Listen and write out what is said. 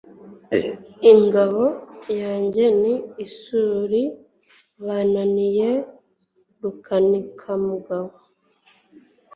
Ingabo yanjye ni isuriBananiye Rukanikamugabo